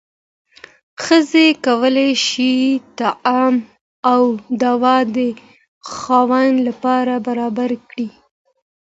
ښځه کولی شي طعام او دوا د خاوند لپاره برابره کړي.